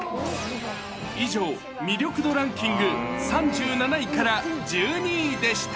以上、魅力度ランキング３７位から１２位でした。